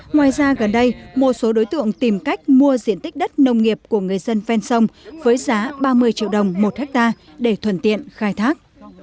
ngoài ra gần đây một số đối tượng tìm cách mua diện tích đất nông nghiệp của người dân ven sông với giá ba mươi triệu đồng một hectare để thuần tiện khai thác